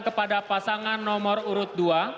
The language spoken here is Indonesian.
kepada pasangan nomor urut dua